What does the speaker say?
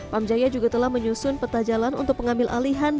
pamjaya juga telah menyusun peta jalan untuk pengambil alihan